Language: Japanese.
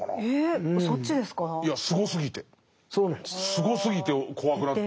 すごすぎて怖くなってきた。